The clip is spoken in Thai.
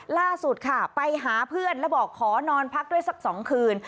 ล่าสุดค่ะไปหาเพื่อนแล้วบอกขอนอนพักด้วยสัก๒คืน